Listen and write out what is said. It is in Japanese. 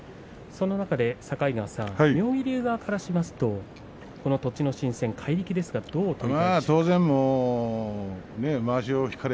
境川さん、妙義龍側からするとこの栃ノ心戦、怪力ですがどう取りますか。